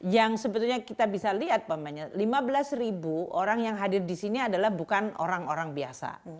yang sebetulnya kita bisa lihat lima belas ribu orang yang hadir di sini adalah bukan orang orang biasa